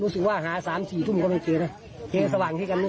รู้สึกว่าหาสามสี่ทุกคนเราจะเจอเนอะเจอสว่างที่กันนาน